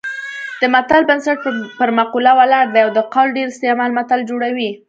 د متل بنسټ پر مقوله ولاړ دی او د قول ډېر استعمال متل جوړوي